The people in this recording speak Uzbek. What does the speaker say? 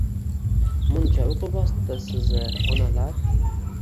Muncha uyqu bosdi sizi, onalar